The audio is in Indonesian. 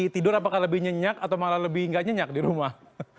tidur apakah lebih nyenyak atau malah lebih nggak nyenyak di rumah